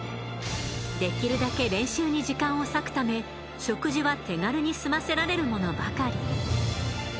できるだけ練習に時間を割くため食事は手軽に済ませられるものばかり。